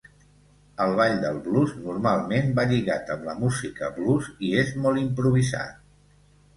El ball del blues normalment va lligat amb la música blues i és molt improvisat.